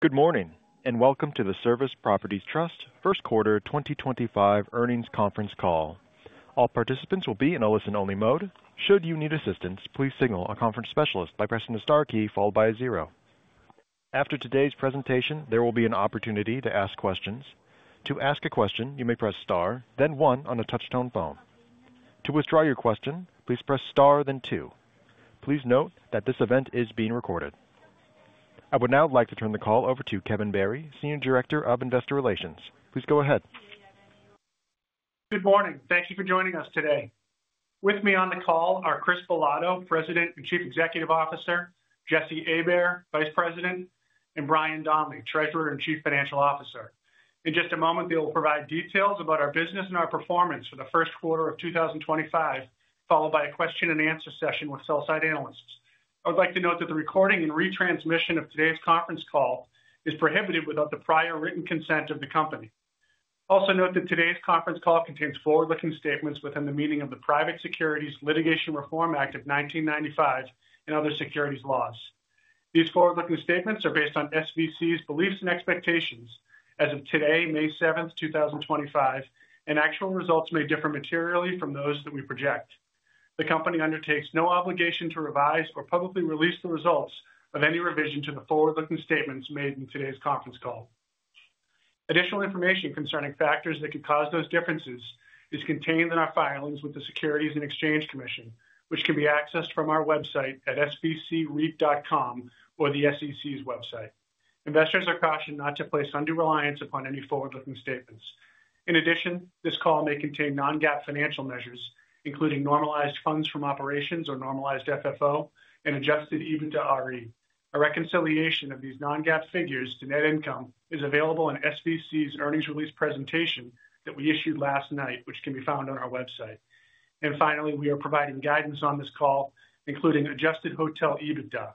Good morning, and welcome to the Service Properties Trust first quarter 2025 earnings conference call. All participants will be in a listen-only mode. Should you need assistance, please signal a conference specialist by pressing the star key followed by a zero. After today's presentation, there will be an opportunity to ask questions. To ask a question, you may press star, then one on a touch-tone phone. To withdraw your question, please press star, then two. Please note that this event is being recorded. I would now like to turn the call over to Kevin Barry, Senior Director of Investor Relations. Please go ahead. Good morning. Thank you for joining us today. With me on the call are Chris Bilotto, President and Chief Executive Officer; Jesse Abair, Vice President; and Brian Donley, Treasurer and Chief Financial Officer. In just a moment, they will provide details about our business and our performance for the first quarter of 2025, followed by a question-and-answer session with sell-side analysts. I would like to note that the recording and retransmission of today's conference call is prohibited without the prior written consent of the company. Also note that today's conference call contains forward-looking statements within the meaning of the Private Securities Litigation Reform Act of 1995 and other securities laws. These forward-looking statements are based on SVC's beliefs and expectations as of today, May 7, 2025, and actual results may differ materially from those that we project. The company undertakes no obligation to revise or publicly release the results of any revision to the forward-looking statements made in today's conference call. Additional information concerning factors that could cause those differences is contained in our filings with the Securities and Exchange Commission, which can be accessed from our website at svcreit.com or the SEC's website. Investors are cautioned not to place undue reliance upon any forward-looking statements. In addition, this call may contain non-GAAP financial measures, including normalized funds from operations or normalized FFO, and adjusted EBITDA. A reconciliation of these non-GAAP figures to net income is available in SVC's earnings release presentation that we issued last night, which can be found on our website. Finally, we are providing guidance on this call, including adjusted hotel EBITDA.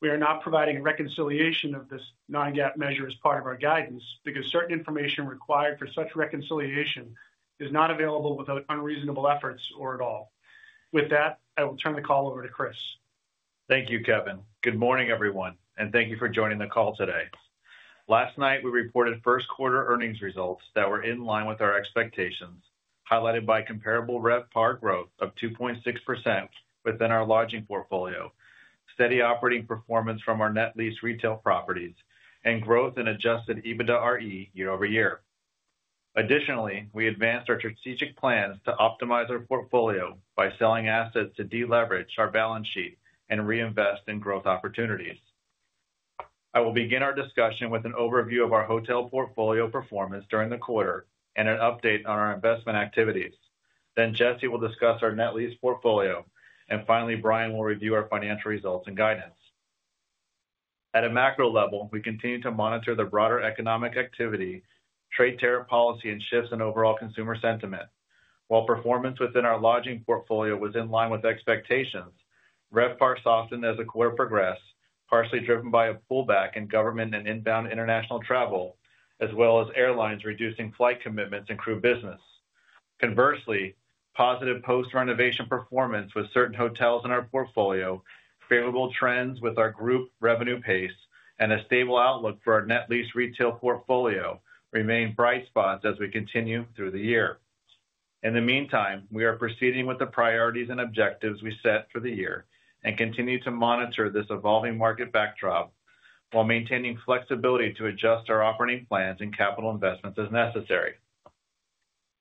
We are not providing reconciliation of this non-GAAP measure as part of our guidance because certain information required for such reconciliation is not available without unreasonable efforts or at all. With that, I will turn the call over to Chris. Thank you, Kevin. Good morning, everyone, and thank you for joining the call today. Last night, we reported first quarter earnings results that were in line with our expectations, highlighted by comparable RevPAR growth of 2.6% within our lodging portfolio, steady operating performance from our net lease retail properties, and growth in adjusted EBITDA RE year-over-year. Additionally, we advanced our strategic plans to optimize our portfolio by selling assets to deleverage our balance sheet and reinvest in growth opportunities. I will begin our discussion with an overview of our hotel portfolio performance during the quarter and an update on our investment activities. Then Jesse will discuss our net lease portfolio, and finally, Brian will review our financial results and guidance. At a macro level, we continue to monitor the broader economic activity, trade tariff policy, and shifts in overall consumer sentiment. While performance within our lodging portfolio was in line with expectations, RevPAR softened as the quarter progressed, partially driven by a pullback in government and inbound international travel, as well as airlines reducing flight commitments and crew business. Conversely, positive post-renovation performance with certain hotels in our portfolio, favorable trends with our group revenue pace, and a stable outlook for our net lease retail portfolio remain bright spots as we continue through the year. In the meantime, we are proceeding with the priorities and objectives we set for the year and continue to monitor this evolving market backdrop while maintaining flexibility to adjust our operating plans and capital investments as necessary.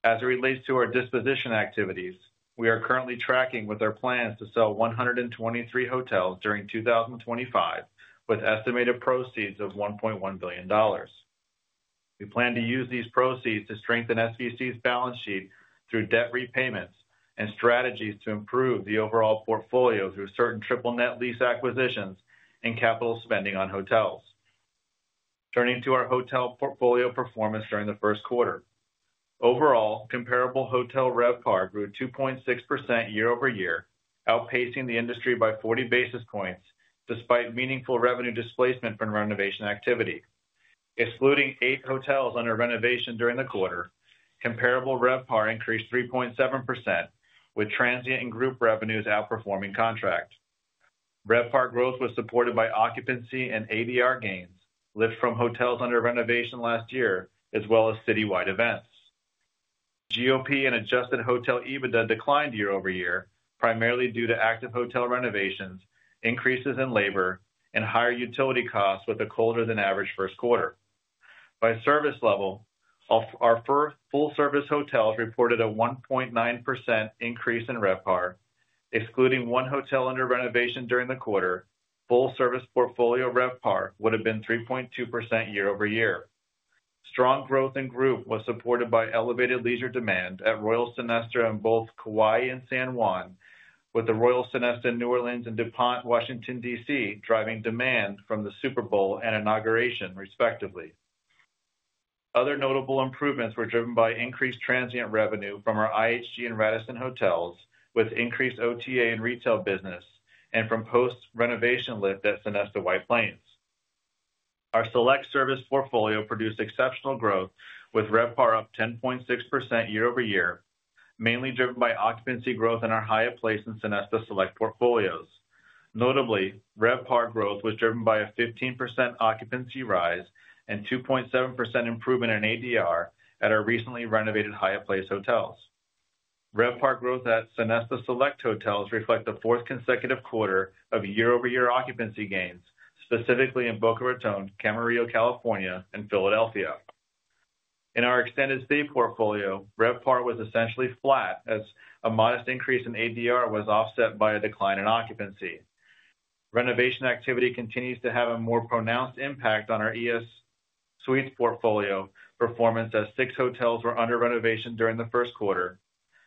As it relates to our disposition activities, we are currently tracking with our plans to sell 123 hotels during 2025, with estimated proceeds of $1.1 billion. We plan to use these proceeds to strengthen SVC's balance sheet through debt repayments and strategies to improve the overall portfolio through certain triple-net lease acquisitions and capital spending on hotels. Turning to our hotel portfolio performance during the first quarter, overall, comparable hotel RevPAR grew 2.6% year-over-year, outpacing the industry by 40 basis points despite meaningful revenue displacement from renovation activity. Excluding eight hotels under renovation during the quarter, comparable RevPAR increased 3.7%, with transient and group revenues outperforming contract. RevPAR growth was supported by occupancy and ADR gains, lift from hotels under renovation last year, as well as citywide events. GOP and adjusted hotel EBITDA declined year-over-year, primarily due to active hotel renovations, increases in labor, and higher utility costs with a colder-than-average first quarter. By service level, our full-service hotels reported a 1.9% increase in RevPAR. Excluding one hotel under renovation during the quarter, full-service portfolio RevPAR would have been 3.2% year-over-year. Strong growth in group was supported by elevated leisure demand at Royal Sonesta in both Kauai and San Juan, with the Royal Sonesta in New Orleans and DuPont, Washington, DC, driving demand from the Super Bowl and inauguration, respectively. Other notable improvements were driven by increased transient revenue from our IHG and Radisson hotels, with increased OTA and retail business, and from post-renovation lift at Sonesta White Plains. Our select service portfolio produced exceptional growth, with RevPAR up 10.6% year-over-year, mainly driven by occupancy growth in our Hyatt Place and Sonesta Select portfolios. Notably, RevPAR growth was driven by a 15% occupancy rise and 2.7% improvement in ADR at our recently renovated Hyatt Place hotels. RevPAR growth at Sonesta Select hotels reflects the fourth consecutive quarter of year-over-year occupancy gains, specifically in Boca Raton, Camarillo, California, and Philadelphia. In our extended stay portfolio, RevPAR was essentially flat, as a modest increase in ADR was offset by a decline in occupancy. Renovation activity continues to have a more pronounced impact on our ES Suites portfolio performance, as six hotels were under renovation during the first quarter,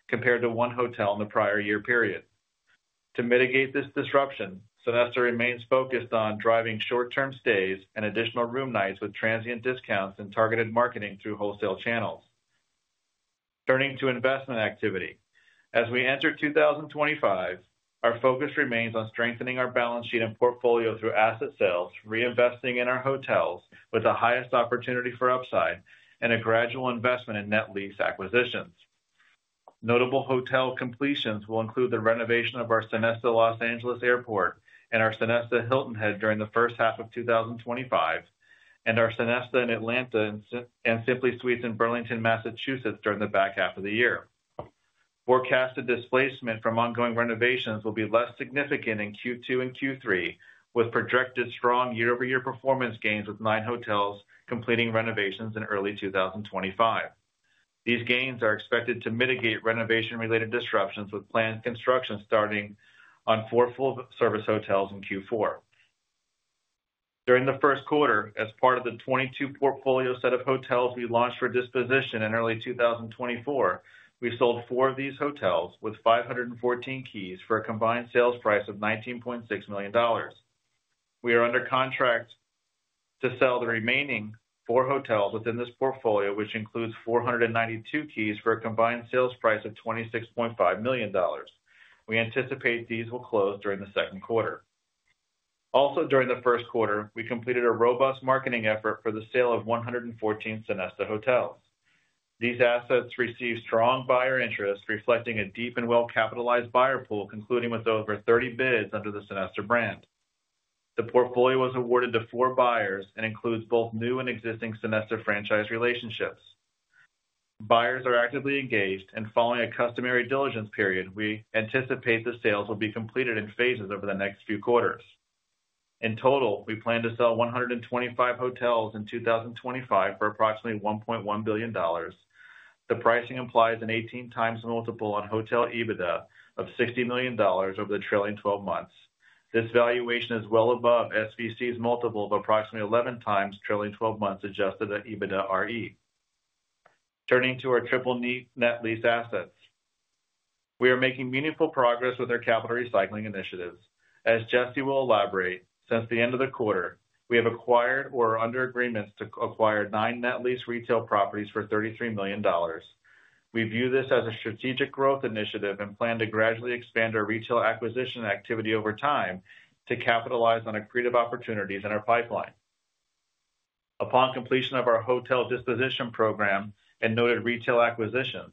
compared to one hotel in the prior year period. To mitigate this disruption, Sonesta remains focused on driving short-term stays and additional room nights with transient discounts and targeted marketing through wholesale channels. Turning to investment activity, as we enter 2025, our focus remains on strengthening our balance sheet and portfolio through asset sales, reinvesting in our hotels with the highest opportunity for upside, and a gradual investment in net lease acquisitions. Notable hotel completions will include the renovation of our Sonesta Los Angeles Airport and our Sonesta Hilton Head during the first half of 2025, and our Sonesta in Atlanta and Simply Suites in Burlington, Massachusetts, during the back half of the year. Forecasted displacement from ongoing renovations will be less significant in Q2 and Q3, with projected strong year-over-year performance gains with nine hotels completing renovations in early 2025. These gains are expected to mitigate renovation-related disruptions, with planned construction starting on four full-service hotels in Q4. During the first quarter, as part of the 22 portfolio set of hotels we launched for disposition in early 2024, we sold four of these hotels with 514 keys for a combined sales price of $19.6 million. We are under contract to sell the remaining four hotels within this portfolio, which includes 492 keys for a combined sales price of $26.5 million. We anticipate these will close during the second quarter. Also, during the first quarter, we completed a robust marketing effort for the sale of 114 Sonesta hotels. These assets received strong buyer interest, reflecting a deep and well-capitalized buyer pool, concluding with over 30 bids under the Sonesta brand. The portfolio was awarded to four buyers and includes both new and existing Sonesta franchise relationships. Buyers are actively engaged, and following a customary diligence period, we anticipate the sales will be completed in phases over the next few quarters. In total, we plan to sell 125 hotels in 2025 for approximately $1.1 billion. The pricing implies an 18times multiple on hotel EBITDA of $60 million over the trailing 12 months. This valuation is well above SVC's multiple of approximately 11 times trailing 12 months adjusted EBITDA RE. Turning to our triple-net lease assets, we are making meaningful progress with our capital recycling initiatives. As Jesse will elaborate, since the end of the quarter, we have acquired or are under agreements to acquire nine net lease retail properties for $33 million. We view this as a strategic growth initiative and plan to gradually expand our retail acquisition activity over time to capitalize on accretive opportunities in our pipeline. Upon completion of our hotel disposition program and noted retail acquisitions,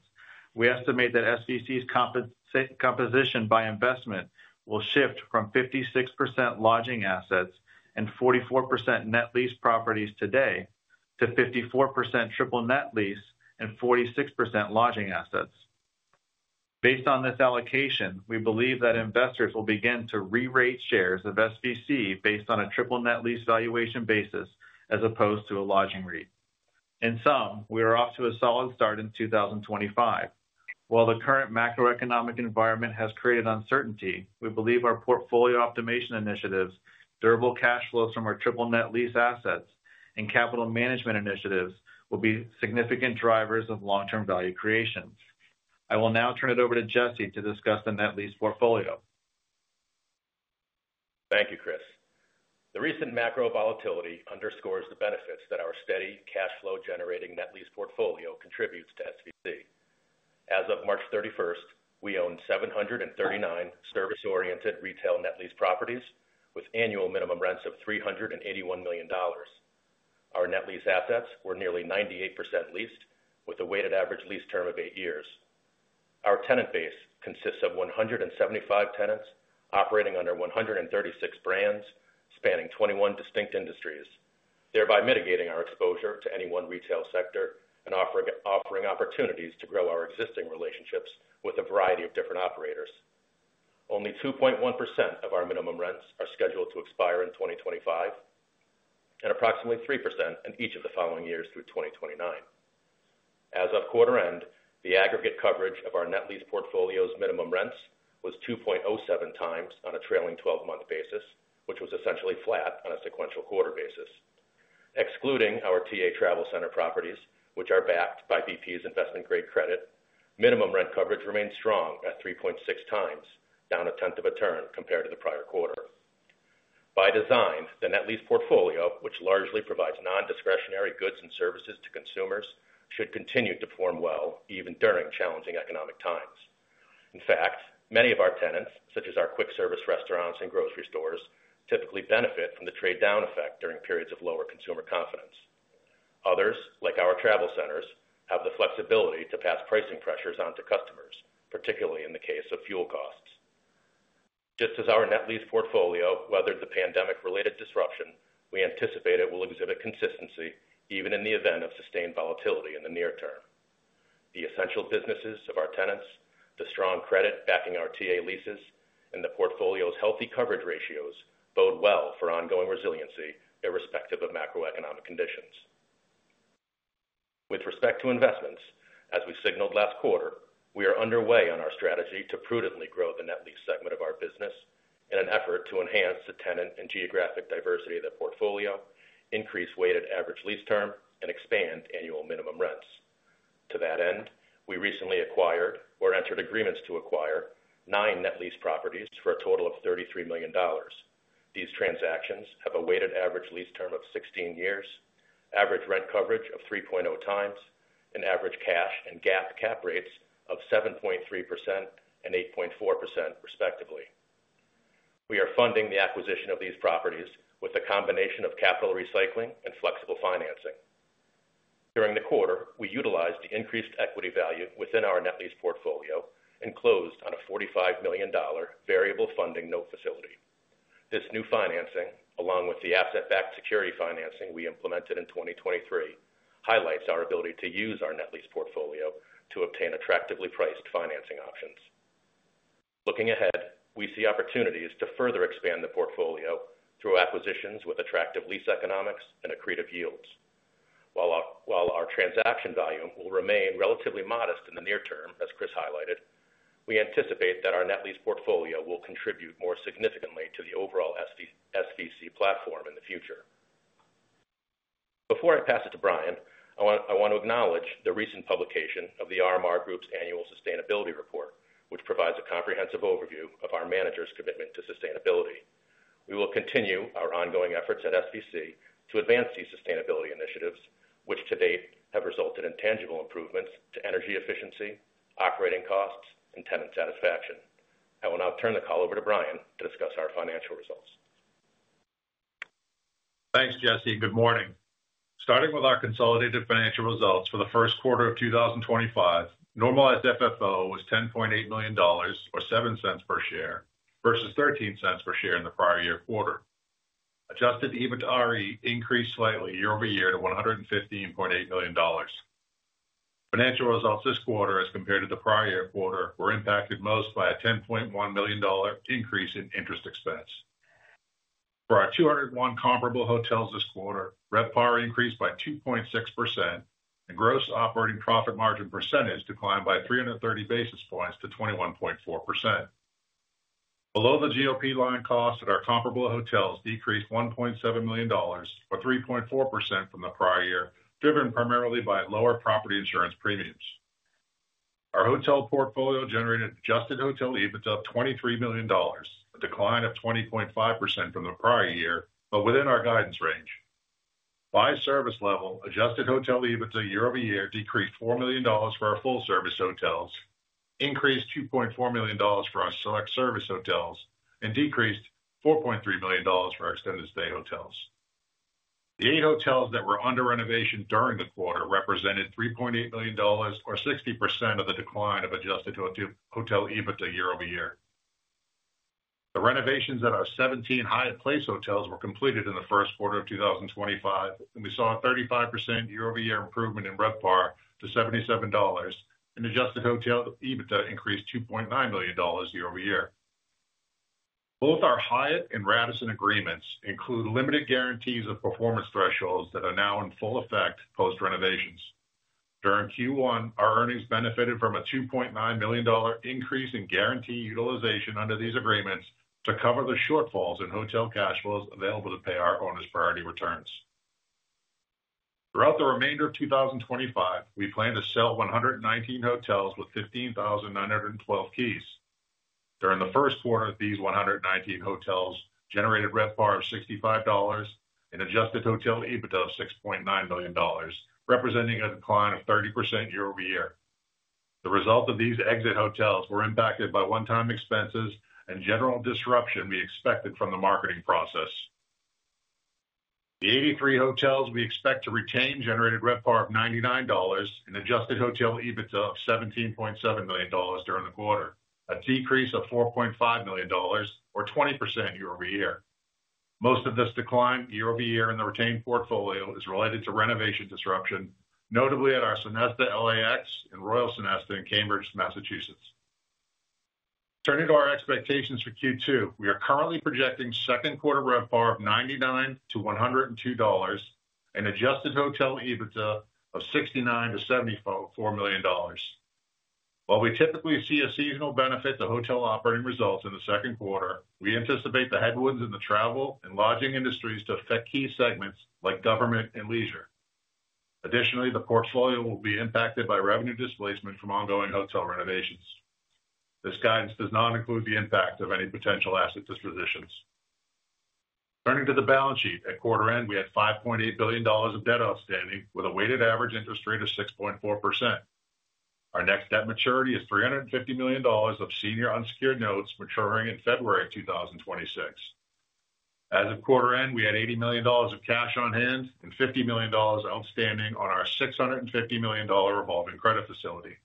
we estimate that SVC's composition by investment will shift from 56% lodging assets and 44% net lease properties today to 54% triple-net lease and 46% lodging assets. Based on this allocation, we believe that investors will begin to re-rate shares of SVC based on a triple-net lease valuation basis as opposed to a lodging rate. In sum, we are off to a solid start in 2025. While the current macroeconomic environment has created uncertainty, we believe our portfolio optimization initiatives, durable cash flows from our triple-net lease assets, and capital management initiatives will be significant drivers of long-term value creation. I will now turn it over to Jesse to discuss the net lease portfolio. Thank you, Chris. The recent macro volatility underscores the benefits that our steady cash flow-generating net lease portfolio contributes to SVC. As of March 31st, we own 739 service-oriented retail net lease properties with annual minimum rents of $381 million. Our net lease assets were nearly 98% leased, with a weighted average lease term of eight years. Our tenant base consists of 175 tenants operating under 136 brands spanning 21 distinct industries, thereby mitigating our exposure to any one retail sector and offering opportunities to grow our existing relationships with a variety of different operators. Only 2.1% of our minimum rents are scheduled to expire in 2025, and approximately 3% in each of the following years through 2029. As of quarter end, the aggregate coverage of our net lease portfolio's minimum rents was 2.07x on a trailing 12-month basis, which was essentially flat on a sequential quarter basis. Excluding our TA Travel Center properties, which are backed by BP's investment-grade credit, minimum rent coverage remained strong at 3.6x, down a tenth of a turn compared to the prior quarter. By design, the net lease portfolio, which largely provides non-discretionary goods and services to consumers, should continue to perform well even during challenging economic times. In fact, many of our tenants, such as our quick-service restaurants and grocery stores, typically benefit from the trade-down effect during periods of lower consumer confidence. Others, like our travel centers, have the flexibility to pass pricing pressures onto customers, particularly in the case of fuel costs. Just as our net lease portfolio weathered the pandemic-related disruption, we anticipate it will exhibit consistency even in the event of sustained volatility in the near term. The essential businesses of our tenants, the strong credit backing our TA leases, and the portfolio's healthy coverage ratios bode well for ongoing resiliency irrespective of macroeconomic conditions. With respect to investments, as we signaled last quarter, we are underway on our strategy to prudently grow the net lease segment of our business in an effort to enhance the tenant and geographic diversity of the portfolio, increase weighted average lease term, and expand annual minimum rents. To that end, we recently acquired or entered agreements to acquire nine net lease properties for a total of $33 million. These transactions have a weighted average lease term of 16 years, average rent coverage of 3.0x, and average cash and GAAP cap rates of 7.3% and 8.4%, respectively. We are funding the acquisition of these properties with a combination of capital recycling and flexible financing. During the quarter, we utilized the increased equity value within our net lease portfolio and closed on a $45 million variable funding note facility. This new financing, along with the asset-backed security financing we implemented in 2023, highlights our ability to use our net lease portfolio to obtain attractively priced financing options. Looking ahead, we see opportunities to further expand the portfolio through acquisitions with attractive lease economics and accretive yields. While our transaction volume will remain relatively modest in the near term, as Chris highlighted, we anticipate that our net lease portfolio will contribute more significantly to the overall SVC platform in the future. Before I pass it to Brian, I want to acknowledge the recent publication of the RMR Group's annual sustainability report, which provides a comprehensive overview of our manager's commitment to sustainability. We will continue our ongoing efforts at SVC to advance these sustainability initiatives, which to date have resulted in tangible improvements to energy efficiency, operating costs, and tenant satisfaction. I will now turn the call over to Brian to discuss our financial results. Thanks, Jesse. Good morning. Starting with our consolidated financial results for the first quarter of 2025, normalized FFO was $10.8 million or $0.07 per share versus $0.13 per share in the prior year quarter. Adjusted EBITDA RE increased slightly year-over-year to $115.8 million. Financial results this quarter, as compared to the prior year quarter, were impacted most by a $10.1 million increase in interest expense. For our 201 comparable hotels this quarter, RevPAR increased by 2.6%, and gross operating profit margin percentage declined by 330 basis points to 21.4%. Below the GOP line cost, our comparable hotels decreased $1.7 million or 3.4% from the prior year, driven primarily by lower property insurance premiums. Our hotel portfolio generated adjusted hotel EBITDA of $23 million, a decline of 20.5% from the prior year, but within our guidance range. By service level, adjusted hotel EBITDA year over year decreased $4 million for our full-service hotels, increased $2.4 million for our select service hotels, and decreased $4.3 million for our extended stay hotels. The eight hotels that were under renovation during the quarter represented $3.8 million or 60% of the decline of adjusted hotel EBITDA year-over-year. The renovations at our 17 Hyatt Place hotels were completed in the first quarter of 2025, and we saw a 35% year-over-year improvement in RevPAR to $77, and adjusted hotel EBITDA increased $2.9 million year-over-year. Both our Hyatt and Radisson agreements include limited guarantees of performance thresholds that are now in full effect post-renovations. During Q1, our earnings benefited from a $2.9 million increase in guarantee utilization under these agreements to cover the shortfalls in hotel cash flows available to pay our owners' priority returns. Throughout the remainder of 2025, we plan to sell 119 hotels with 15,912 keys. During the first quarter, these 119 hotels generated RevPAR of $65 and adjusted hotel EBITDA of $6.9 million, representing a decline of 30% year-over-year. The result of these exit hotels was impacted by one-time expenses and general disruption we expected from the marketing process. The 83 hotels we expect to retain generated RevPAR of $99 and adjusted hotel EBITDA of $17.7 million during the quarter, a decrease of $4.5 million or 20% year-over-year. Most of this decline year-over-year in the retained portfolio is related to renovation disruption, notably at our Sonesta LAX and Royal Sonesta in Cambridge, Massachusetts. Turning to our expectations for Q2, we are currently projecting second quarter RevPAR of $99-$102 and adjusted hotel EBITDA of $69-$74 million. While we typically see a seasonal benefit to hotel operating results in the second quarter, we anticipate the headwinds in the travel and lodging industries to affect key segments like government and leisure. Additionally, the portfolio will be impacted by revenue displacement from ongoing hotel renovations. This guidance does not include the impact of any potential asset dispositions. Turning to the balance sheet, at quarter end, we had $5.8 billion of debt outstanding with a weighted average interest rate of 6.4%. Our next debt maturity is $350 million of senior unsecured notes maturing in February 2026. As of quarter end, we had $80 million of cash on hand and $50 million outstanding on our $650 million revolving credit facility.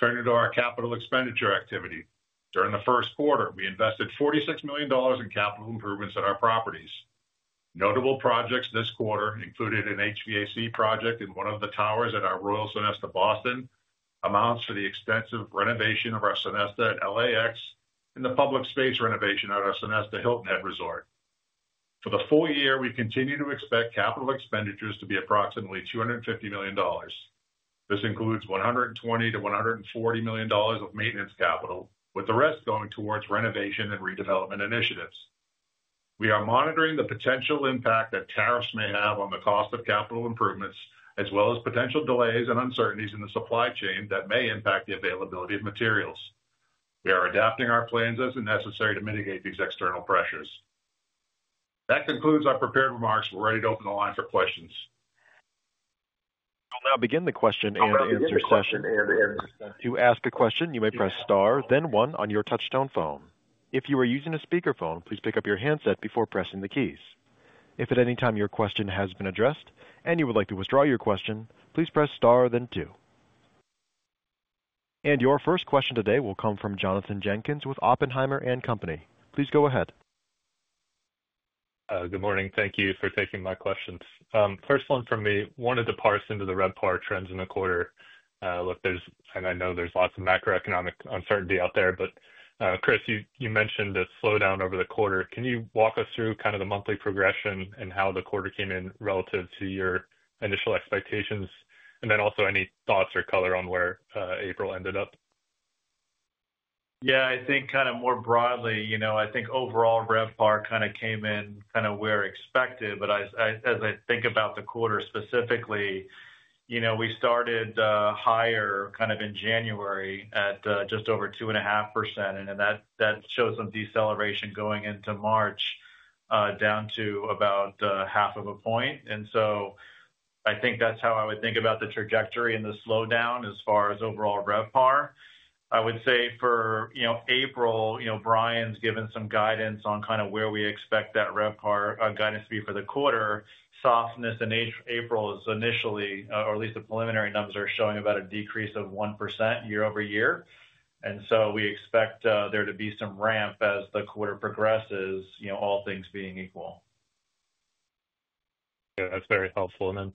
Turning to our capital expenditure activity, during the first quarter, we invested $46 million in capital improvements at our properties. Notable projects this quarter included an HVAC project in one of the towers at our Royal Sonesta Boston, amounts to the extensive renovation of our Sonesta at LAX, and the public space renovation at our Sonesta Hilton Head Resort. For the full year, we continue to expect capital expenditures to be approximately $250 million. This includes $120-$140 million of maintenance capital, with the rest going towards renovation and redevelopment initiatives. We are monitoring the potential impact that tariffs may have on the cost of capital improvements, as well as potential delays and uncertainties in the supply chain that may impact the availability of materials. We are adapting our plans as necessary to mitigate these external pressures. That concludes our prepared remarks. We're ready to open the line for questions. We will now begin the question and answer session. To ask a question, you may press star, then one on your touch-tone phone. If you are using a speakerphone, please pick up your handset before pressing the keys. If at any time your question has been addressed and you would like to withdraw your question, please press star, then two. Your first question today will come from Jonathan Jenkins with Oppenheimer & Company. Please go ahead. Good morning. Thank you for taking my questions. First one from me. I wanted to parse into the RevPAR trends in the quarter. I know there's lots of macroeconomic uncertainty out there, but Chris, you mentioned a slowdown over the quarter. Can you walk us through kind of the monthly progression and how the quarter came in relative to your initial expectations? Also, any thoughts or color on where April ended up? Yeah, I think kind of more broadly, you know, I think overall RevPAR kind of came in kind of where expected. But as I think about the quarter specifically, you know, we started higher kind of in January at just over 2.5%, and that showed some deceleration going into March down to about half of a point. I think that's how I would think about the trajectory and the slowdown as far as overall RevPAR. I would say for, you know, April, you know, Brian's given some guidance on kind of where we expect that RevPAR guidance to be for the quarter. Softness in April is initially, or at least the preliminary numbers are showing about a decrease of 1% year-over-year. We expect there to be some ramp as the quarter progresses, you know, all things being equal. Yeah, that's very helpful. It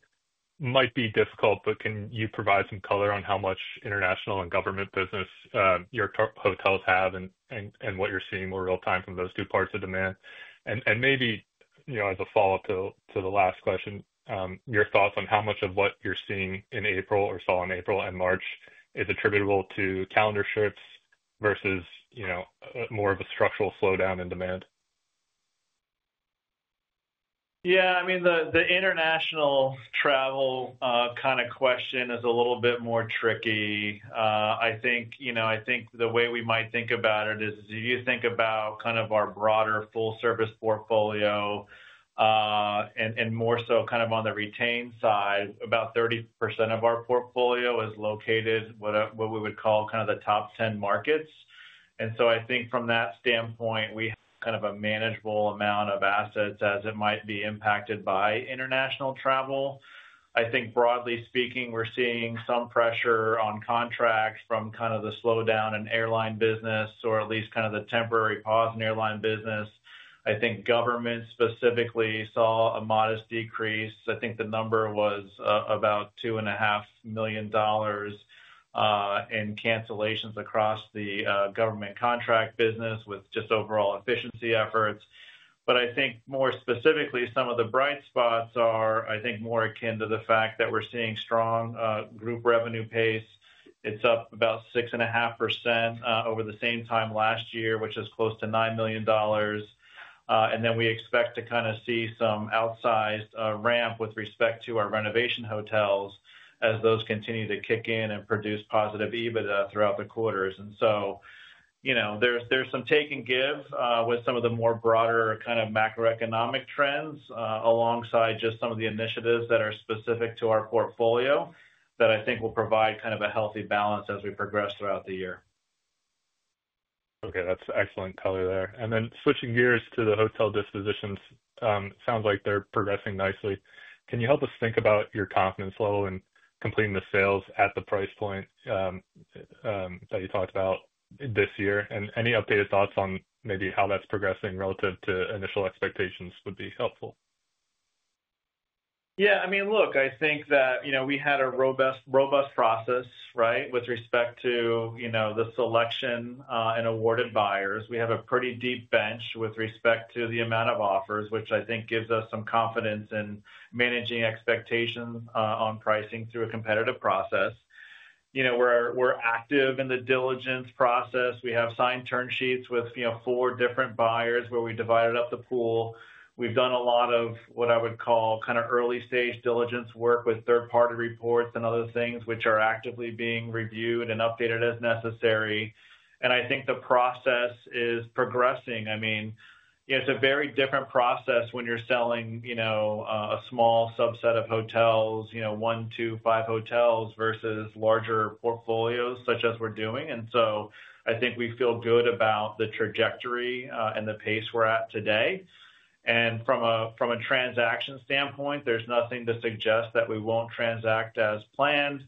might be difficult, but can you provide some color on how much international and government business your hotels have and what you're seeing more real-time from those two parts of demand? Maybe, you know, as a follow-up to the last question, your thoughts on how much of what you're seeing in April or saw in April and March is attributable to calendar shifts versus, you know, more of a structural slowdown in demand? Yeah, I mean, the international travel kind of question is a little bit more tricky. I think, you know, I think the way we might think about it is if you think about kind of our broader full-service portfolio and more so kind of on the retained side, about 30% of our portfolio is located what we would call kind of the top 10 markets. I think from that standpoint, we have kind of a manageable amount of assets as it might be impacted by international travel. I think broadly speaking, we're seeing some pressure on contracts from kind of the slowdown in airline business or at least kind of the temporary pause in airline business. I think government specifically saw a modest decrease. I think the number was about $2.5 million in cancellations across the government contract business with just overall efficiency efforts. I think more specifically, some of the bright spots are, I think, more akin to the fact that we're seeing strong group revenue pace. It's up about 6.5% over the same time last year, which is close to $9 million. We expect to kind of see some outsized ramp with respect to our renovation hotels as those continue to kick in and produce positive EBITDA throughout the quarters. You know, there's some take and give with some of the more broader kind of macroeconomic trends alongside just some of the initiatives that are specific to our portfolio that I think will provide kind of a healthy balance as we progress throughout the year. Okay, that's excellent color there. Then switching gears to the hotel dispositions, it sounds like they're progressing nicely. Can you help us think about your confidence level in completing the sales at the price point that you talked about this year? Any updated thoughts on maybe how that's progressing relative to initial expectations would be helpful. Yeah, I mean, look, I think that, you know, we had a robust process, right, with respect to, you know, the selection and awarded buyers. We have a pretty deep bench with respect to the amount of offers, which I think gives us some confidence in managing expectations on pricing through a competitive process. You know, we're active in the diligence process. We have signed term sheets with, you know, four different buyers where we divided up the pool. We've done a lot of what I would call kind of early-stage diligence work with third-party reports and other things, which are actively being reviewed and updated as necessary. I think the process is progressing. I mean, you know, it's a very different process when you're selling, you know, a small subset of hotels, you know, one, two, five hotels versus larger portfolios such as we're doing. I think we feel good about the trajectory and the pace we're at today. From a transaction standpoint, there's nothing to suggest that we won't transact as planned.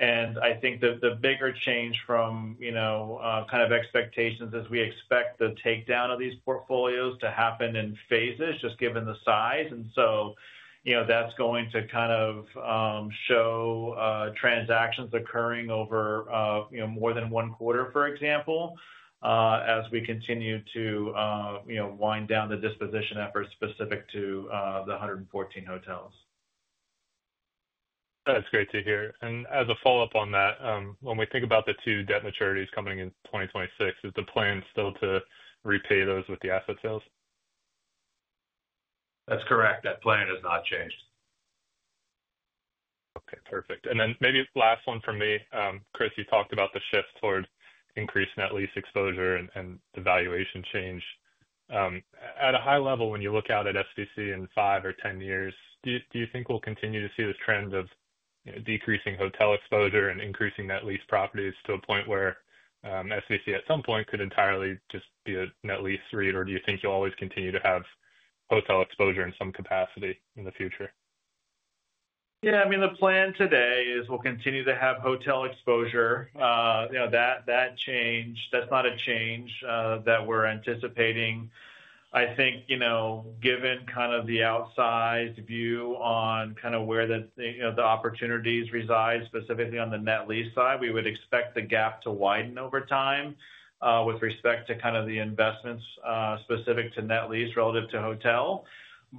I think the bigger change from, you know, kind of expectations is we expect the takedown of these portfolios to happen in phases just given the size. You know, that's going to kind of show transactions occurring over, you know, more than one quarter, for example, as we continue to, you know, wind down the disposition efforts specific to the 114 hotels. That's great to hear. As a follow-up on that, when we think about the two debt maturities coming in 2026, is the plan still to repay those with the asset sales? That's correct. That plan has not changed. Okay, perfect. Maybe last one for me. Chris, you talked about the shift toward increased net lease exposure and the valuation change. At a high level, when you look out at SVC in five or ten years, do you think we'll continue to see this trend of decreasing hotel exposure and increasing net lease properties to a point where SVC at some point could entirely just be a net lease REIT, or do you think you'll always continue to have hotel exposure in some capacity in the future? Yeah, I mean, the plan today is we'll continue to have hotel exposure. You know, that change, that's not a change that we're anticipating. I think, you know, given kind of the outsized view on kind of where the, you know, the opportunities reside specifically on the net lease side, we would expect the gap to widen over time with respect to kind of the investments specific to net lease relative to hotel.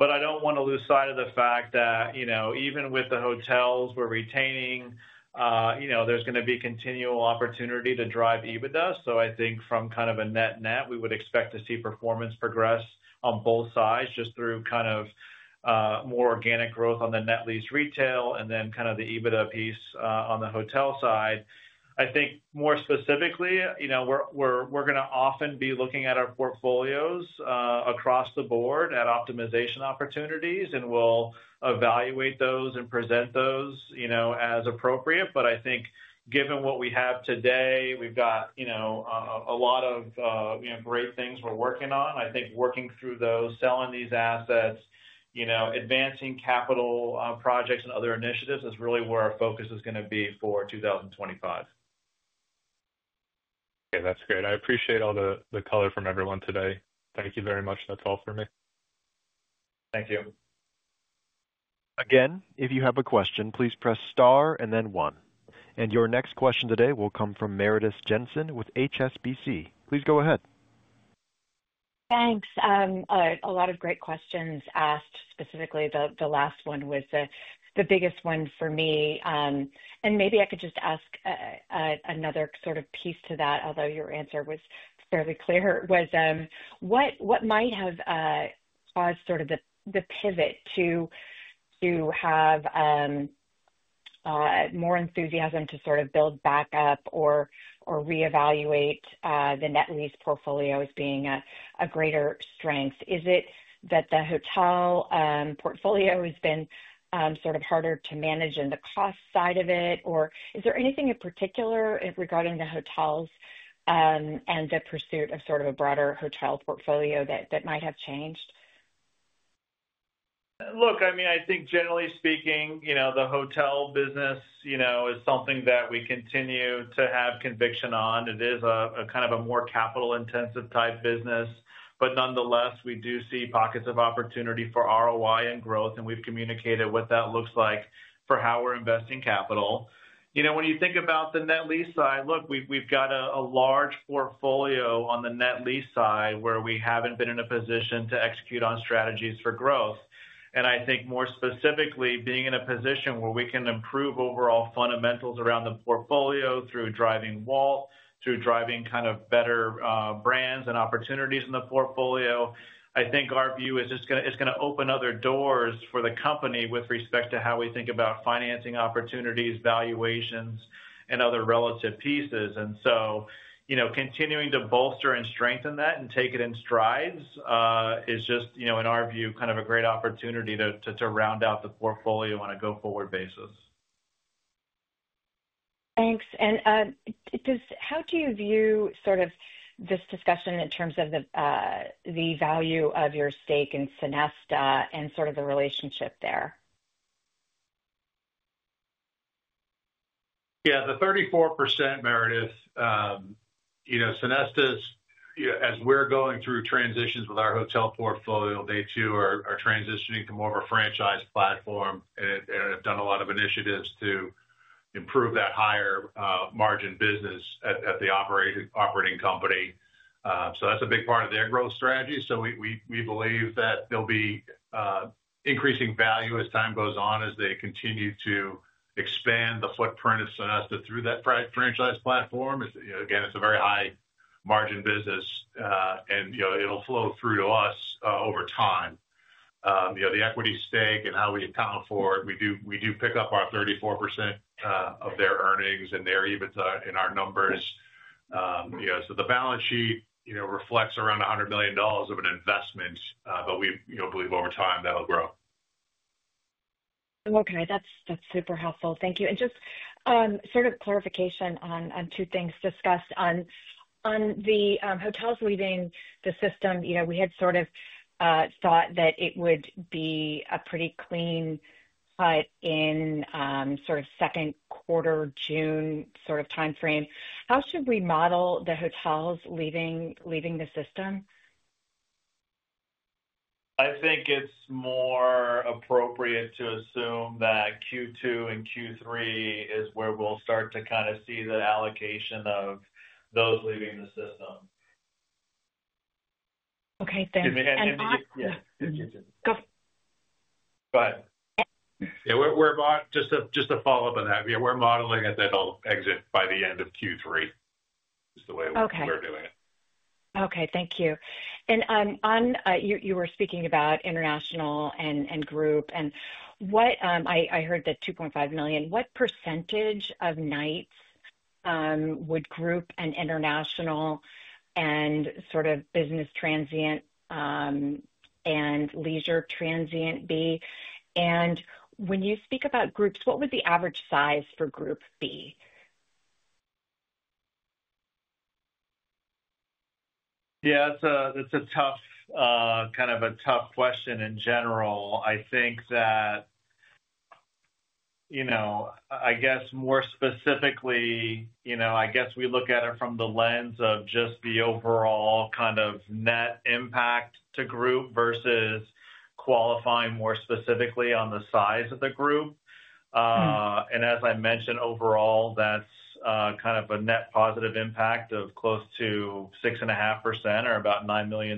I don't want to lose sight of the fact that, you know, even with the hotels, we're retaining, you know, there's going to be continual opportunity to drive EBITDA. I think from kind of a net-net, we would expect to see performance progress on both sides just through kind of more organic growth on the net lease retail and then kind of the EBITDA piece on the hotel side. I think more specifically, you know, we're going to often be looking at our portfolios across the board at optimization opportunities, and we'll evaluate those and present those, you know, as appropriate. I think given what we have today, we've got, you know, a lot of, you know, great things we're working on. I think working through those, selling these assets, advancing capital projects and other initiatives is really where our focus is going to be for 2025. Okay, that's great. I appreciate all the color from everyone today. Thank you very much. That's all for me. Thank you. Again, if you have a question, please press star and then one. Your next question today will come from Meredith Jensen with HSBC. Please go ahead. Thanks. A lot of great questions asked. Specifically, the last one was the biggest one for me. Maybe I could just ask another sort of piece to that, although your answer was fairly clear, was what might have caused sort of the pivot to have more enthusiasm to sort of build back up or reevaluate the net lease portfolio as being a greater strength? Is it that the hotel portfolio has been sort of harder to manage in the cost side of it, or is there anything in particular regarding the hotels and the pursuit of sort of a broader hotel portfolio that might have changed? Look, I mean, I think generally speaking, you know, the hotel business, you know, is something that we continue to have conviction on. It is a kind of a more capital-intensive type business. Nonetheless, we do see pockets of opportunity for ROI and growth, and we've communicated what that looks like for how we're investing capital. You know, when you think about the net lease side, look, we've got a large portfolio on the net lease side where we haven't been in a position to execute on strategies for growth. I think more specifically, being in a position where we can improve overall fundamentals around the portfolio through driving WALT, through driving kind of better brands and opportunities in the portfolio, I think our view is it's going to open other doors for the company with respect to how we think about financing opportunities, valuations, and other relative pieces. You know, continuing to bolster and strengthen that and take it in strides is just, you know, in our view, kind of a great opportunity to round out the portfolio on a go-forward basis. Thanks. How do you view sort of this discussion in terms of the value of your stake in Sonesta and sort of the relationship there? Yeah, the 34%, Meredith, you know, Sonesta, as we're going through transitions with our hotel portfolio, they too are transitioning to more of a franchise platform and have done a lot of initiatives to improve that higher margin business at the operating company. So that's a big part of their growth strategy. So we believe that they'll be increasing value as time goes on as they continue to expand the footprint of Sonesta through that franchise platform. Again, it's a very high margin business, and you know, it'll flow through to us over time. You know, the equity stake and how we account for it, we do pick up our 34% of their earnings and their EBITDA in our numbers. You know, so the balance sheet, you know, reflects around $100 million of an investment, but we, you know, believe over time that'll grow. Okay, that's super helpful. Thank you. And just sort of clarification on two things discussed. On the hotels leaving the system, you know, we had sort of thought that it would be a pretty clean cut in sort of second quarter June sort of timeframe. How should we model the hotels leaving the system? I think it's more appropriate to assume that Q2 and Q3 is where we'll start to kind of see the allocation of those leaving the system. Okay, thanks. And. Go for it. Go ahead. Yeah, just a follow-up on that. Yeah, we're modeling it that they'll exit by the end of Q3 is the way we're doing it. Okay, thank you. You were speaking about international and group, and I heard the $2.5 million. What percentage of nights would group and international and sort of business transient and leisure transient be? When you speak about groups, what would the average size for group be? Yeah, it's a tough, kind of a tough question in general. I think that, you know, I guess more specifically, you know, I guess we look at it from the lens of just the overall kind of net impact to group versus qualifying more specifically on the size of the group. As I mentioned, overall, that's kind of a net positive impact of close to 6.5% or about $9 million.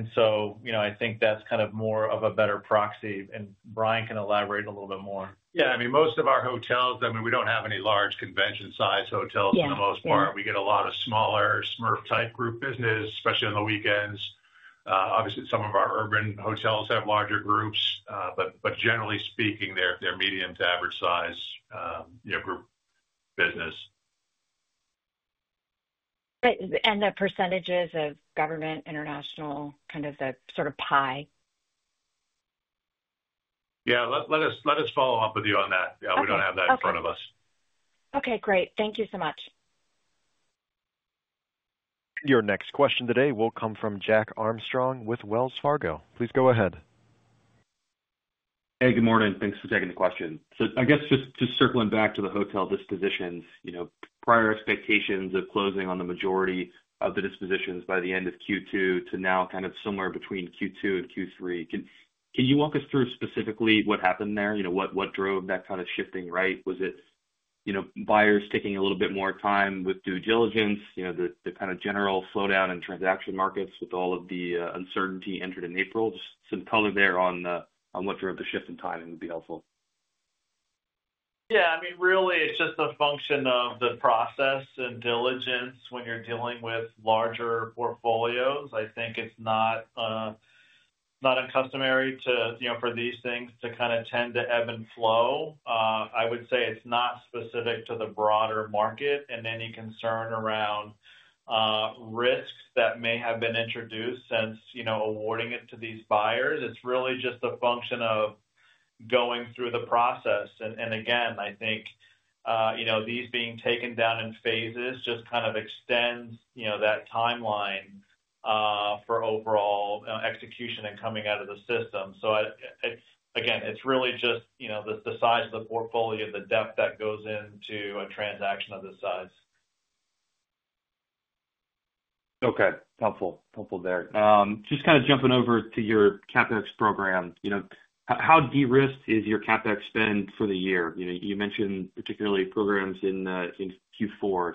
You know, I think that's kind of more of a better proxy. Brian can elaborate a little bit more. Yeah, I mean, most of our hotels, I mean, we don't have any large convention-sized hotels for the most part. We get a lot of smaller SMERF-type group business, especially on the weekends. Obviously, some of our urban hotels have larger groups, but generally speaking, they're medium to average size, you know, group business. The percentages of government, international, kind of the sort of pie? Yeah, let us follow up with you on that. Yeah, we don't have that in front of us. Okay, great. Thank you so much. Your next question today will come from Jack Armstrong with Wells Fargo. Please go ahead. Hey, good morning. Thanks for taking the question. I guess just circling back to the hotel dispositions, you know, prior expectations of closing on the majority of the dispositions by the end of Q2 to now kind of somewhere between Q2 and Q3. Can you walk us through specifically what happened there? You know, what drove that kind of shifting, right? Was it, you know, buyers taking a little bit more time with due diligence, the kind of general slowdown in transaction markets with all of the uncertainty entered in April? Just some color there on what drove the shift in timing would be helpful. Yeah, I mean, really, it's just a function of the process and diligence when you're dealing with larger portfolios. I think it's not uncustomary to, you know, for these things to kind of tend to ebb and flow. I would say it's not specific to the broader market and any concern around risks that may have been introduced since, you know, awarding it to these buyers. It's really just a function of going through the process. Again, I think, you know, these being taken down in phases just kind of extends, you know, that timeline for overall execution and coming out of the system. Again, it's really just, you know, the size of the portfolio, the depth that goes into a transaction of this size. Okay, helpful. Helpful there. Just kind of jumping over to your CapEx program, you know, how de-risked is your CapEx spend for the year? You mentioned particularly programs in Q4.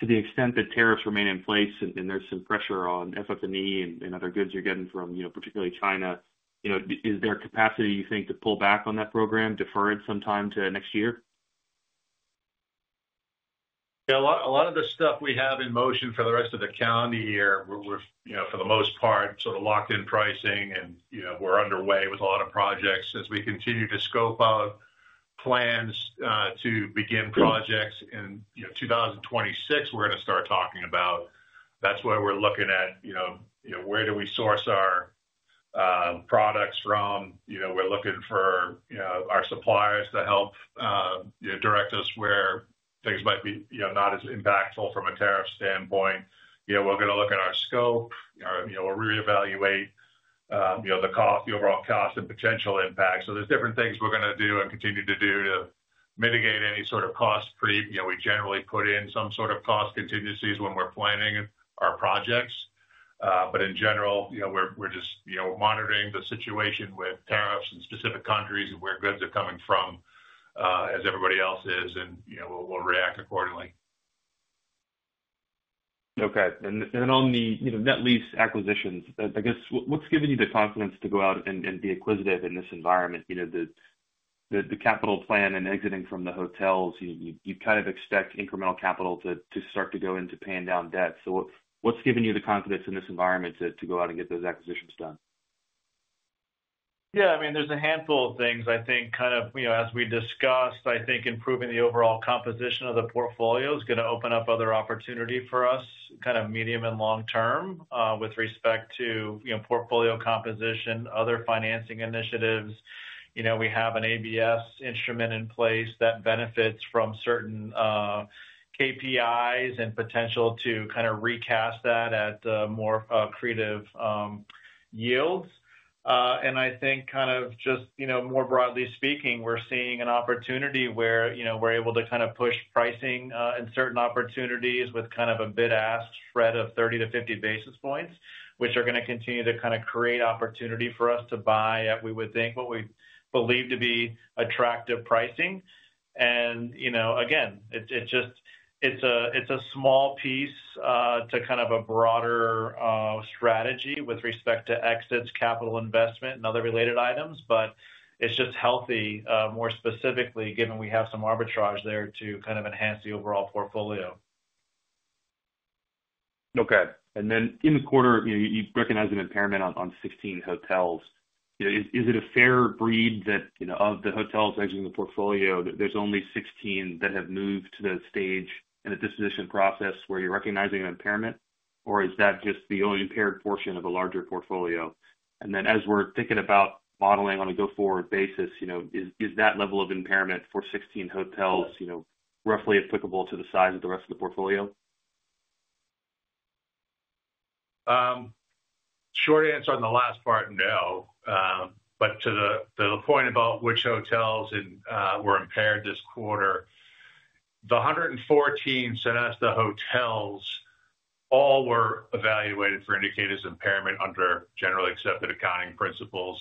To the extent that tariffs remain in place and there's some pressure on FF&E and other goods you're getting from, you know, particularly China, you know, is there capacity, you think, to pull back on that program, defer it sometime to next year? Yeah, a lot of the stuff we have in motion for the rest of the calendar year, we're, you know, for the most part, sort of locked in pricing and, you know, we're underway with a lot of projects. As we continue to scope out plans to begin projects in, you know, 2026, we're going to start talking about that's where we're looking at, you know, you know, where do we source our products from? You know, we're looking for, you know, our suppliers to help, you know, direct us where things might be, you know, not as impactful from a tariff standpoint. You know, we're going to look at our scope. You know, we'll reevaluate, you know, the overall cost and potential impact. There are different things we're going to do and continue to do to mitigate any sort of cost creep. You know, we generally put in some sort of cost contingencies when we're planning our projects. But in general, you know, we're just, you know, monitoring the situation with tariffs in specific countries and where goods are coming from as everybody else is, and, you know, we'll react accordingly. Okay. On the net lease acquisitions, I guess what's given you the confidence to go out and be inquisitive in this environment? You know, the capital plan and exiting from the hotels, you kind of expect incremental capital to start to go into paying down debt. What's given you the confidence in this environment to go out and get those acquisitions done? Yeah, I mean, there's a handful of things. I think kind of, you know, as we discussed, I think improving the overall composition of the portfolio is going to open up other opportunity for us kind of medium and long term with respect to, you know, portfolio composition, other financing initiatives. You know, we have an ABS instrument in place that benefits from certain KPIs and potential to kind of recast that at more creative yields. I think kind of just, you know, more broadly speaking, we're seeing an opportunity where, you know, we're able to kind of push pricing in certain opportunities with kind of a bid-ask spread of 30-50 basis points, which are going to continue to kind of create opportunity for us to buy at, we would think, what we believe to be attractive pricing. You know, again, it's just, it's a small piece to kind of a broader strategy with respect to exits, capital investment, and other related items, but it's just healthy, more specifically, given we have some arbitrage there to kind of enhance the overall portfolio. Okay. And then in the quarter, you recognize an impairment on 16 hotels. Is it a fair read that, you know, of the hotels exiting the portfolio, there's only 16 that have moved to the stage in the disposition process where you're recognizing an impairment, or is that just the only impaired portion of a larger portfolio? And then as we're thinking about modeling on a go-forward basis, you know, is that level of impairment for 16 hotels, you know, roughly applicable to the size of the rest of the portfolio? Short answer on the last part, no. To the point about which hotels were impaired this quarter, the 114 Sonesta hotels all were evaluated for indicators of impairment under generally accepted accounting principles.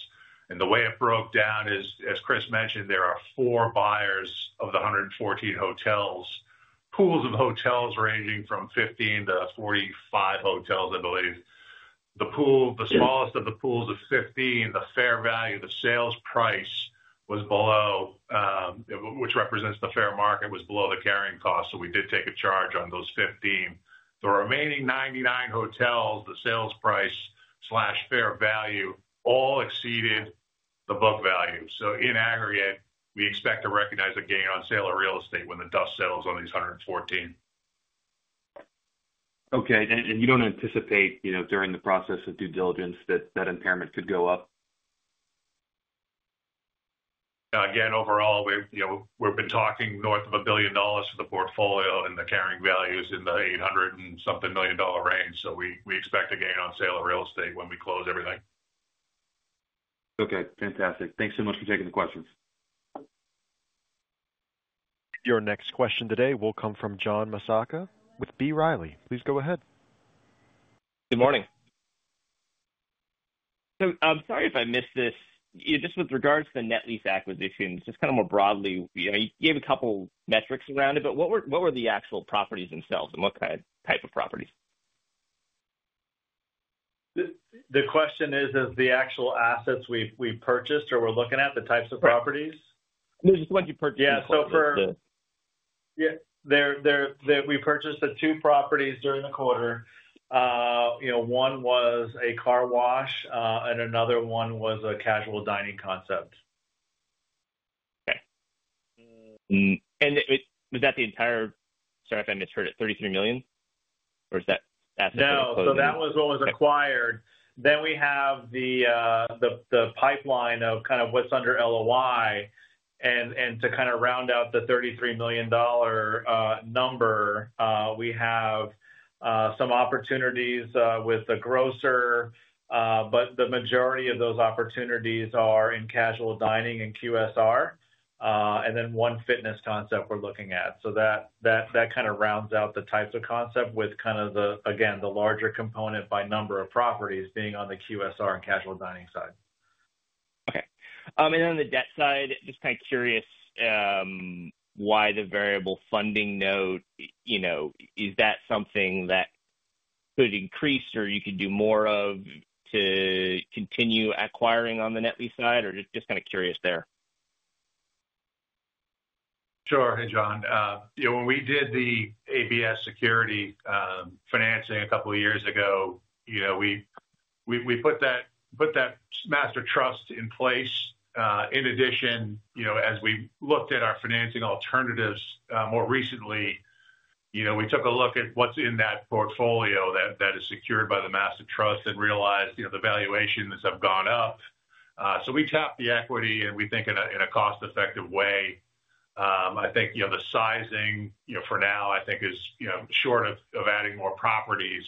The way it broke down is, as Chris mentioned, there are four buyers of the 114 hotels, pools of hotels ranging from 15-45 hotels, I believe. The pool, the smallest of the pools of 15, the fair value of the sales price was below, which represents the fair market, was below the carrying cost. We did take a charge on those 15. The remaining 99 hotels, the sales price slash fair value all exceeded the book value. In aggregate, we expect to recognize a gain on sale of real estate when the dust settles on these 114. Okay. You don't anticipate, you know, during the process of due diligence that that impairment could go up? Again, overall, we've been talking north of $1 billion for the portfolio and the carrying values in the $800 and something million range. So we expect a gain on sale of real estate when we close everything. Okay. Fantastic. Thanks so much for taking the questions. Your next question today will come from John Massocca with B. Riley. Please go ahead. Good morning. I'm sorry if I missed this. Just with regards to the net lease acquisitions, just kind of more broadly, you know, you have a couple metrics around it, but what were the actual properties themselves and what kind of type of properties? The question is, is the actual assets we purchased or we're looking at the types of properties? There's a bunch of purchases. Yeah So for we purchased the two properties during the quarter. You know, one was a car wash and another one was a casual dining concept. Okay. And was that the entire, sorry if I misheard it, $33 million? Or is that assets that were closed? No, so that was what was acquired. Then we have the pipeline of kind of what's under LOI. To kind of round out the $33 million number, we have some opportunities with the grocer, but the majority of those opportunities are in casual dining and QSR, and then one fitness concept we're looking at. That kind of rounds out the types of concept with, again, the larger component by number of properties being on the QSR and casual dining side. Okay. And then on the debt side, just kind of curious why the variable funding note, you know, is that something that could increase or you could do more of to continue acquiring on the net lease side? Or just kind of curious there. Sure. Hey, John. You know, when we did the ABS security financing a couple of years ago, you know, we put that master trust in place. In addition, you know, as we looked at our financing alternatives more recently, you know, we took a look at what's in that portfolio that is secured by the master trust and realized, you know, the valuations have gone up. So we tapped the equity and we think in a cost-effective way. I think, you know, the sizing, you know, for now, I think is, you know, short of adding more properties.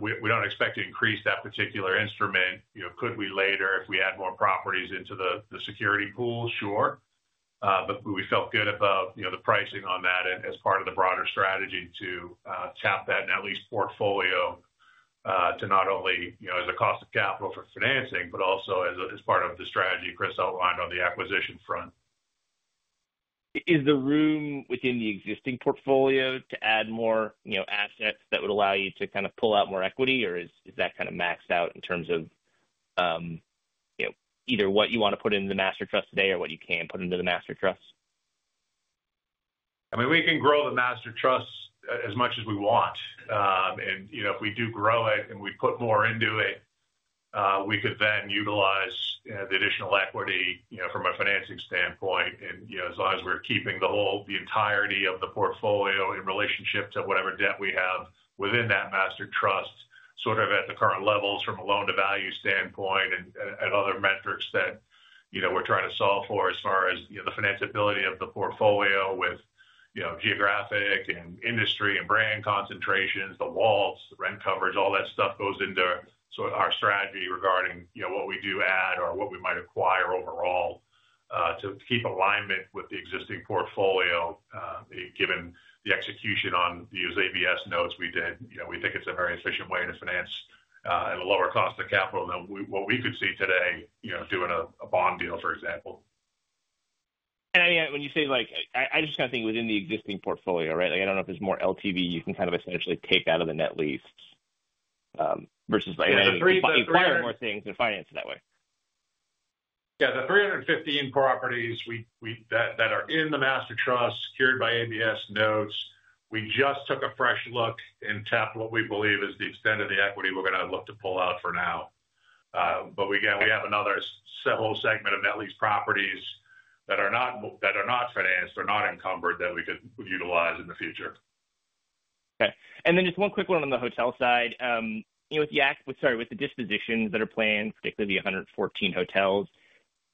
We do not expect to increase that particular instrument. You know, could we later if we add more properties into the security pool? Sure. We felt good about, you know, the pricing on that as part of the broader strategy to tap that net lease portfolio to not only, you know, as a cost of capital for financing, but also as part of the strategy Chris outlined on the acquisition front. Is there room within the existing portfolio to add more, you know, assets that would allow you to kind of pull out more equity? Or is that kind of maxed out in terms of, you know, either what you want to put into the master trust today or what you can put into the master trust? I mean, we can grow the master trust as much as we want. You know, if we do grow it and we put more into it, we could then utilize the additional equity, you know, from a financing standpoint. You know, as long as we're keeping the whole, the entirety of the portfolio in relationship to whatever debt we have within that master trust, sort of at the current levels from a loan-to-value standpoint and other metrics that, you know, we're trying to solve for as far as, you know, the financeability of the portfolio with, you know, geographic and industry and brand concentrations, the walls, the rent coverage, all that stuff goes into sort of our strategy regarding, you know, what we do add or what we might acquire overall to keep alignment with the existing portfolio. Given the execution on these ABS notes we did, you know, we think it's a very efficient way to finance at a lower cost of capital than what we could see today, you know, doing a bond deal, for example. I mean, when you say like, I just kind of think within the existing portfolio, right? Like, I don't know if there's more LTV you can kind of essentially take out of the net lease versus like acquiring more things and finance it that way. Yeah, the 315 properties that are in the master trust secured by ABS notes, we just took a fresh look and tapped what we believe is the extent of the equity we're going to look to pull out for now. We have another whole segment of net lease properties that are not financed or not encumbered that we could utilize in the future. Okay. And then just one quick one on the hotel side. You know, with the dispositions that are planned, particularly the 114 hotels,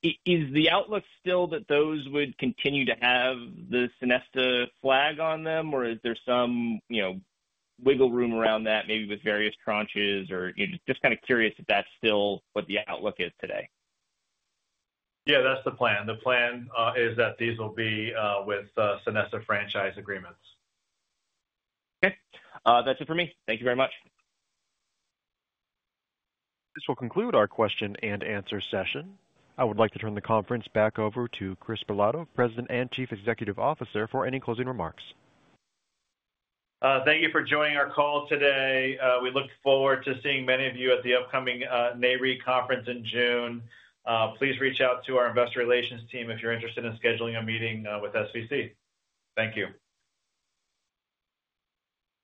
is the outlook still that those would continue to have the Sonesta flag on them? Or is there some, you know, wiggle room around that maybe with various tranches? Or, you know, just kind of curious if that's still what the outlook is today. Yeah, that's the plan. The plan is that these will be with Sonesta franchise agreements. Okay. That's it for me. Thank you very much. This will conclude our question and answer session. I would like to turn the conference back over to Chris Bilotto, President and Chief Executive Officer, for any closing remarks. Thank you for joining our call today. We look forward to seeing many of you at the upcoming NAREIT conference in June. Please reach out to our investor relations team if you're interested in scheduling a meeting with SVC. Thank you.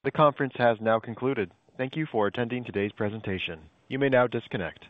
The conference has now concluded. Thank you for attending today's presentation. You may now disconnect.